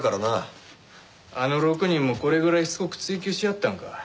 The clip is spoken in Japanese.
あの６人もこれぐらいしつこく追及しはったんか？